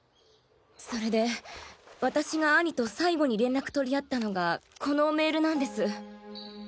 それで私が兄と最後に連絡取り合ったのがこのメールなんです。